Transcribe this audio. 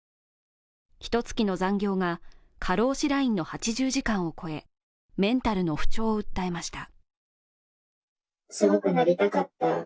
ひと月の残業が過労死ラインの８０時間を超え、メンタルの不調を訴えました。